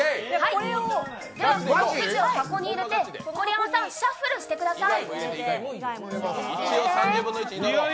くじを箱に入れて、盛山さん、シャッフルをしてください。